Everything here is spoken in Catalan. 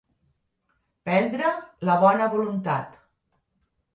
Prendre la bona voluntat.